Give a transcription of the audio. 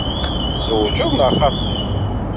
Tzewǧeḍ neɣ xaṭi?